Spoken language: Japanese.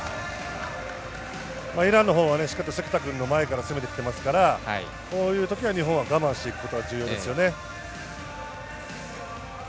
エラーはしっかり関田君の前から迫ってきていますから、こういう時は日本は我慢していくことが重要ですよね。